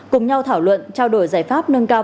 cùng nhau thảo luận trao đổi giải pháp nâng cao